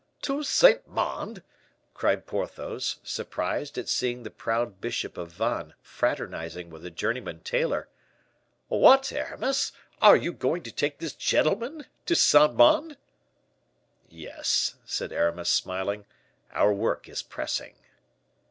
"To Saint Mande!" cried Porthos, surprised at seeing the proud bishop of Vannes fraternizing with a journeyman tailor. "What, Aramis, are you going to take this gentleman to Saint Mande?" "Yes," said Aramis, smiling, "our work is pressing."